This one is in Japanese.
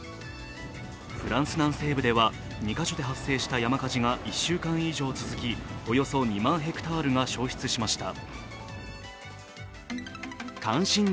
フランス南西部では２カ所で発生した山火事が１週間以上続きおよそ２万ｈａが焼失しました。